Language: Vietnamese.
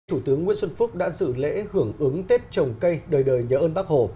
thủ tướng nguyễn xuân phúc đã dự lễ hưởng ứng tết trồng cây đời đời nhớ ơn bác hồ